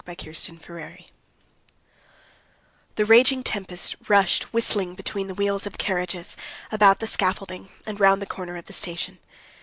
Chapter 30 The raging tempest rushed whistling between the wheels of the carriages, about the scaffolding, and round the corner of the station.